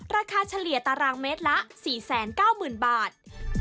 เฉลี่ยตารางเมตรละ๔๙๐๐๐บาท